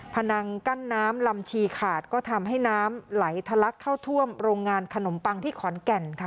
นังกั้นน้ำลำชีขาดก็ทำให้น้ำไหลทะลักเข้าท่วมโรงงานขนมปังที่ขอนแก่นค่ะ